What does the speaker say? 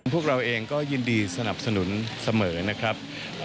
พวกเราเองก็ยินดีสนับสนุนเสมอนะครับ